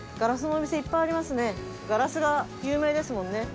ガラスが有名ですもんね。